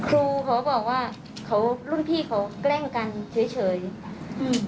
ครูเขาบอกว่าเขารุ่นพี่เขาแกล้งกันเฉยเฉยอืม